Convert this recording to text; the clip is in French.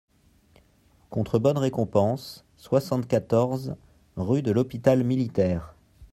contre bonne récompense, soixante-quatorze, rue de l'Hôpital-Militaire.